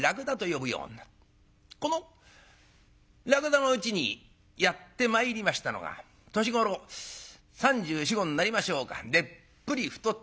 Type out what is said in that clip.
このらくだのうちにやって参りましたのが年頃３４３５になりましょうかでっぷり太った赤ら顔。